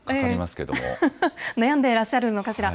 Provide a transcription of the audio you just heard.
悩んでいらっしゃるのかしら。